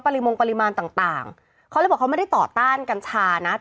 มงปริมาณต่างต่างเขาเลยบอกเขาไม่ได้ต่อต้านกัญชานะ